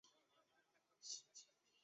然前者却因专利与商标问题被迫更名。